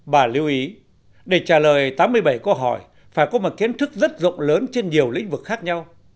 bà lưu ý để trả lời tám mươi bảy câu hỏi phải có một kiến thức rất rộng lớn trên nhiều lĩnh vực khác nhau